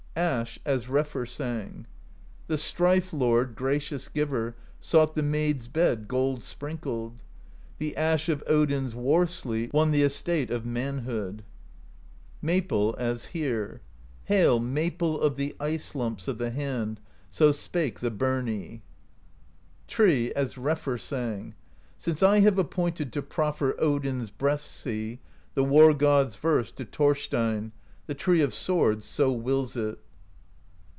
Ash, as Refr sang: The Strife Lord, gracious Giver, Sought the Maid's bed gold sprinkled; The Ash of Odin's War Sleet Won the estate of manhood. Maple, as here ' Hail, Maple of the Ice Lumps Of the Hand!' So spake the Birnie. Tree, as Refr sang: Since I have appointed To proffer Odin's Breast Sea, The War God's Verse, to Thorsteinn; The Tree of Swords so wills it.